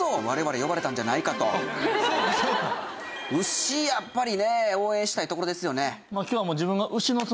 牛やっぱりね応援したいところですよね。